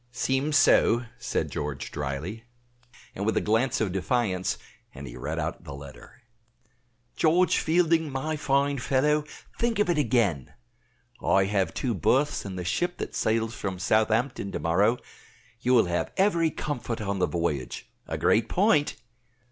"Seems so," said George, dryly, and with a glance of defiance; and he read out the letter. "George Fielding, my fine fellow, think of it again. I have two berths in the ship that sails from Southampton to morrow. You will have every comfort on the voyage a great point.